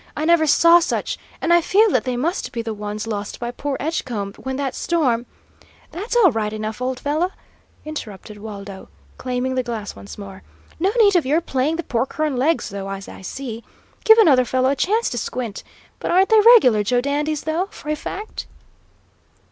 I never saw such and I feel that they must be the ones lost by poor Edgecombe when that storm " "That's all right enough, old fellow," interrupted Waldo, claiming the glass once more. "No need of your playing the porker on legs, though, as I see. Give another fellow a chance to squint. But aren't they regular jo dandies, though, for a fact?"